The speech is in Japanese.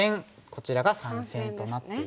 こちらが三線となっているんですが。